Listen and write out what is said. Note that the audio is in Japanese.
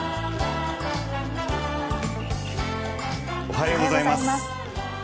おはようございます。